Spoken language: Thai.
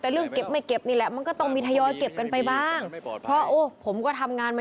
มันเป็นมันเป็นเขาเรียกอะไรมันเป็นสากล